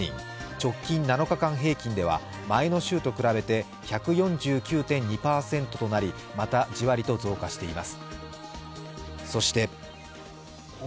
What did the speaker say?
直近７日間平均では前の週と比べて１４９．２％となりまた、じわりと増加しています。